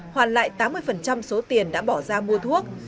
hoàn lại tám mươi số tiền đã bỏ ra mua thuốc